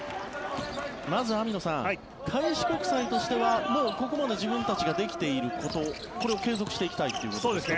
まず網野さん、開志国際としてはもうここまで自分たちができていることこれを継続していきたいということですよね。